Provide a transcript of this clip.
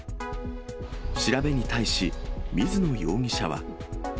調べに対し、水野容疑者は。